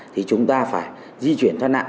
thì chúng ta phải di chuyển thoát nạn